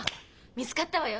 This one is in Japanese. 見つかったわよ。